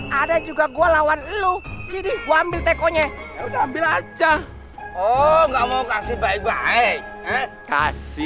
hai ada juga gua lawan lu jadi gua ambil tekonya ambil aja oh nggak mau kasih baik baik kasih